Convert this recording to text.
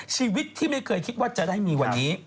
ชีวิตที่ไม่เคยคิดว่าจะได้มีวันนี้